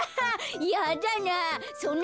やだな